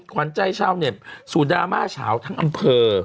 ขวัญใจชาวเน็ตสู่ดราม่าเฉาทั้งอำเภอ